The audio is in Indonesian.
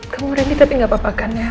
kamu randy tapi gapapakan ya